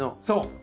そう。